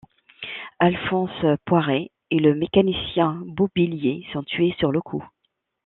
Alphonse Poirée et le mécanicien Bobillier sont tués sur le coup.